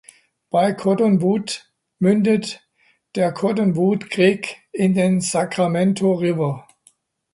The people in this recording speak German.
Bei Cottonwood mündet der Cottonwood Creek in den Sacramento River.